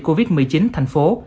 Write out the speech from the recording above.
covid một mươi chín thành phố